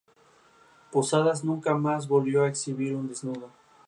Posadas nunca más volvió a exhibir un desnudo.